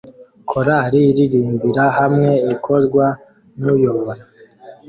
Korali iririmbira hamwe ikorwa nuyobora